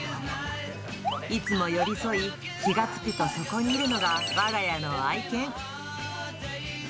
いつも寄り添い、気が付くとそこにいるのがわが家の愛犬。